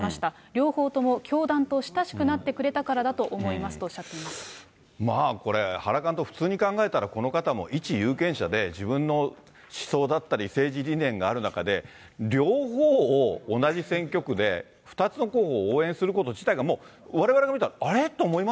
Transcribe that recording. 両方とも教団と親しくなってくれたからだと思いますとおっしゃっまあこれ、原監督、普通に考えたら、この方も一有権者で、自分の思想だったり、政治理念がある中で、両方を同じ選挙区で、２つの候補を応援すること自体が、もうわれわれから見たら、あれ？